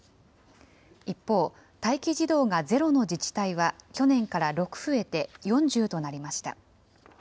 一方、待機児童がゼロの自治体は、去年から６増えて４０となりました。